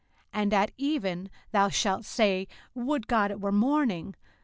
and at even thou shalt say, Would God it were morning!